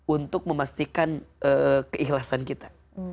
untuk memastikan keikhlasan kita